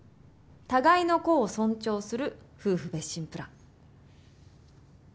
互いの個を尊重する夫婦別寝プラン。